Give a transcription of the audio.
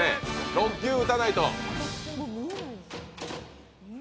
６球打たないと。